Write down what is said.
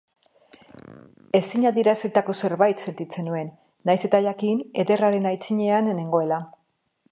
Ezin adierazitako zerbait sentitzen nuen, nahiz eta jakin Ederraren aitzinean nengoela.